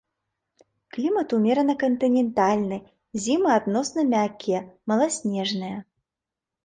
Клімат умерана кантынентальны, зімы адносна мяккія, маласнежныя.